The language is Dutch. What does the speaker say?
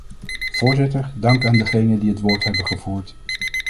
Voorzitter, dank aan degenen die het woord hebben gevoerd.